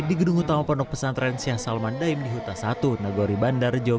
di gedung utama pendok pesantren syah salman daim di huta satu nagori bandar jog